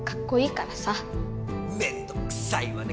めんどくさいわね。